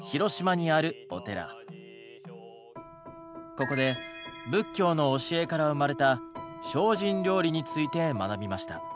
ここで仏教の教えから生まれた精進料理について学びました。